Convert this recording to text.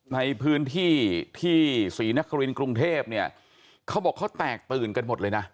ในพื้นที่ที่ศรีนครินกรุงเทพเนี่ยเขาบอกเขาแตกตื่นกันหมดเลยนะ